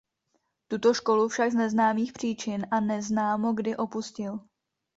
Tuto školu však z neznámých příčin a neznámo kdy opustil.